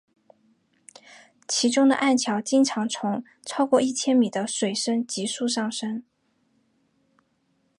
其中的暗礁经常从超过一千米的水深急速上升。